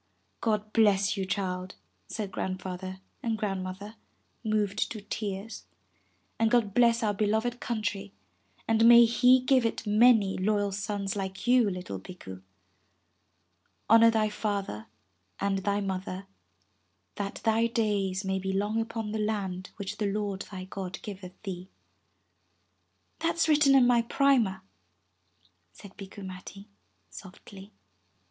'God bless you, child,'' said Grandfather and Grand mother, moved to tears. ''And God bless our beloved country, and may He give it many loyal sons like you, little Bikku. Honor thy father and thy mother that thy days may be long upon the land which the Lord thy God giveth thee." "That's written in my primer," said Bikku Matti softly.